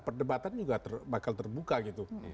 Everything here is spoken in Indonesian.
perdebatan juga bakal terbuka gitu